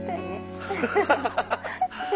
ハハハハハ！